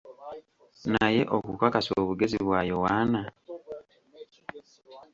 Naye okukakasa obugezi bwa Yoanna?